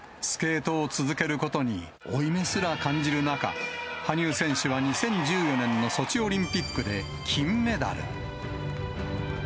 スケートを続けることに負い目すら感じる中、羽生選手は２０１４年のソチオリンピックで、金メダル。